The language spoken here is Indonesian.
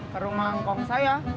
ke rumah kong saya